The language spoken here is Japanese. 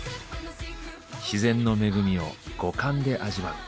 自然の恵みを五感で味わう。